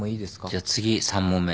じゃ次３問目。